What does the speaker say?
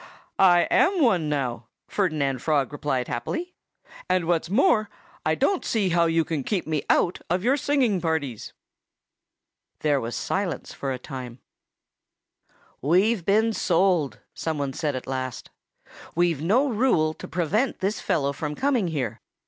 "I am one now," Ferdinand Frog replied happily. "And what's more, I don't see how you can keep me out of your singing parties." There was silence for a time. "We've been sold," some one said at last. "We've no rule to prevent this fellow from coming here.